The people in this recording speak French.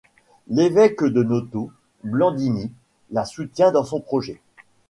L'évêque de Noto, Blandini, la soutient dans son projet.